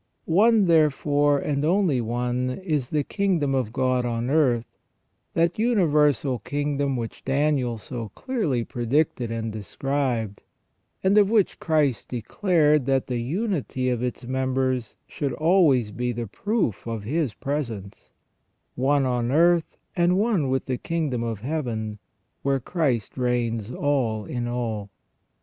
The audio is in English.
One, therefore, and only one, is the kingdom of God on earth, that universal kingdom which Daniel so clearly predicted and described, and of which Christ declared that the unity of its members should always be the proof of His presence; one on earth and one with the kingdom in Heaven, where Christ reigns all in all.